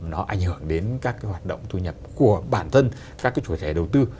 nó ảnh hưởng đến các cái hoạt động thu nhập của bản thân các cái chủ thể đầu tư